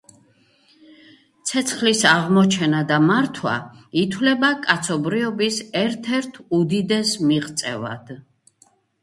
ცეცხლის აღმოჩენა და მართვა ითვლება კაცობრიობის ერთ-ერთ უდიდეს მიღწევად.